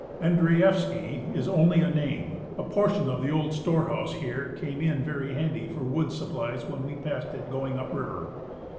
Andreafski is only a name ; a portion of the old storehouse here came in very handy for wood supplies when we passed it going up river.